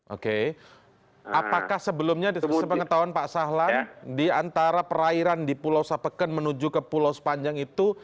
oke apakah sebelumnya sepengetahuan pak sahlan di antara perairan di pulau sapeken menuju ke pulau sepanjang itu